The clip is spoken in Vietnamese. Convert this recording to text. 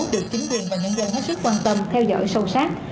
được chính quyền và nhân dân hết sức quan tâm theo dõi sâu sắc